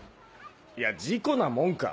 いや事故なもんか。